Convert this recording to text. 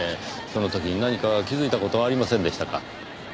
その時何か気づいた事はありませんでしたか？